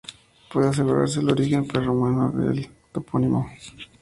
Puede asegurarse el origen prerromano del topónimo.